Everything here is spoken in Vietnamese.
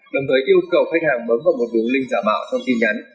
đồng thời yêu cầu khách hàng bấm vào một đường link giả mạo trong tin nhắn